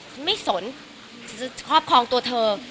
ฉันไม่สนฉันจะครอบครองตัวเธอ